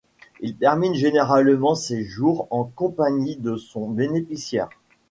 Il termine généralement ses jours en compagnie de son bénéficiaire.